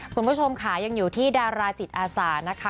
คุณผู้ชมค่ะยังอยู่ที่ดาราจิตอาสานะคะ